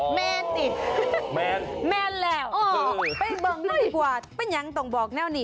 แมนอีกแมนแล้วไปบอกให้ดีกว่าเป็นอย่างต้องบอกแน่วนี้